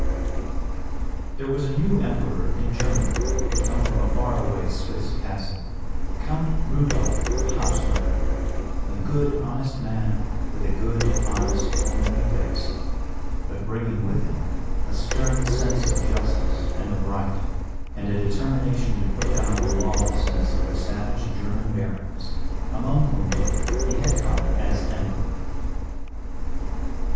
There was a new emperor in Germany who had come from a far away Swiss castle; Count Rudolph of Hapsburg, a good, honest man with a good, honest, homely face, but bringing with him a stern sense of justice and of right, and a determination to put down the lawlessness of the savage German barons among whom he had come as Emperor.